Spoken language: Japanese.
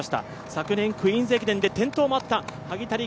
昨年クイーンズ駅伝で転倒もあった萩谷楓。